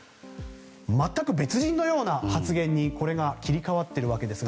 全く別人のような発言に切り替わっているわけです。